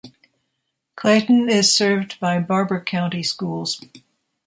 Clayton is served by Barbour County Schools.